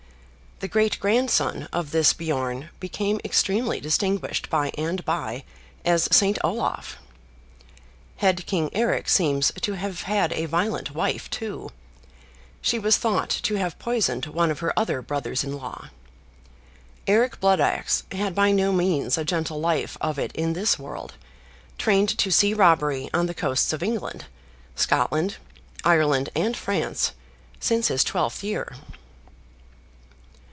The great grandson of this Bjorn became extremely distinguished by and by as Saint Olaf. Head King Eric seems to have had a violent wife, too. She was thought to have poisoned one of her other brothers in law. Eric Blood axe had by no means a gentle life of it in this world, trained to sea robbery on the coasts of England, Scotland, Ireland and France, since his twelfth year.